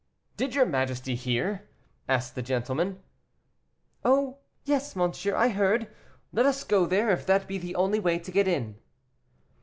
"Did your majesty hear?" asked the gentleman. "Oh! yes, monsieur, I heard; let us go there, if that be the only way to get in."